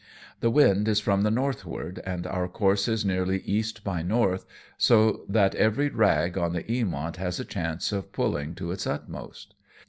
The wind is from the northward, and our course is nearly E. by N., so that every rag on the Eamont has a chance of pulling to its utmost.